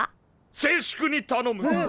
せいしゅくにたのむ。